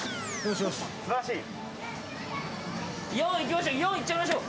４、いっちゃいましょう。